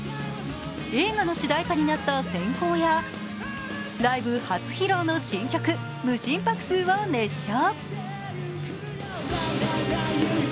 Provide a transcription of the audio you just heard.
映画の主題歌になった「閃光」や、ライブ初披露の新曲、「無心拍数」を熱唱。